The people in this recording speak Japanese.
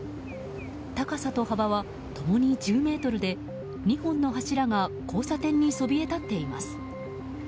高さと幅は、共に１０ｍで２本の柱が交差点にそびえ立っています。